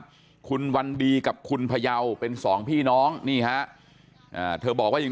ครับคุณวันดีกับคุณพยาวเป็นสองพี่น้องนี่ฮะเธอบอกว่ายัง